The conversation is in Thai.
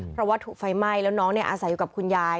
เพราะว่าถูกไฟไหม้แล้วน้องอาศัยอยู่กับคุณยาย